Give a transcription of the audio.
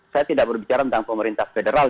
saya tidak berbicara tentang pemerintah federal